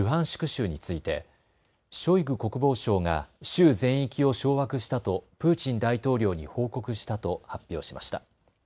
州についてショイグ国防相が州全域を掌握したとプーチン大統領に報告したと発表しました。